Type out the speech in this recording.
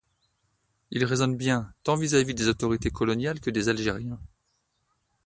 Il résonne bien tant vis-à-vis des autorités coloniales que des Algériens.